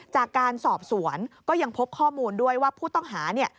จากการสอบสวนก็ยังพบข้อมูลด้วยว่าผู้ต้องหาเนี่ย